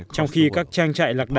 trong khi các trang trại lạc đà